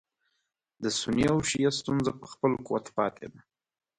د سني او شیعه ستونزه په خپل قوت پاتې ده.